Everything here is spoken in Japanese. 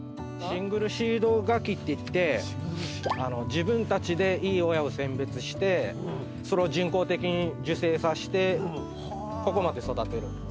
シングルシードガキっていって自分たちでいい親を選別してそれを人工的に授精させてここまで育てる。